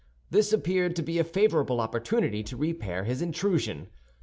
This appeared to be a favorable opportunity to repair his intrusion.